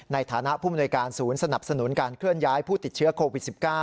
ในฐานะผู้มนวยการศูนย์สนับสนุนการเคลื่อนย้ายผู้ติดเชื้อโควิด๑๙